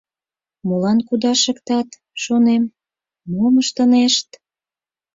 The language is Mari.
«Молан кудашыктат, — шонем, — мом ыштынешт?»